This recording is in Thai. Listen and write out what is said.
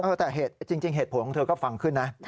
แต่จริงเหตุผลของเธอก็ฟังขึ้นนะ